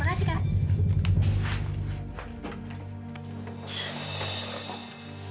ternyata kak krisna romantis juga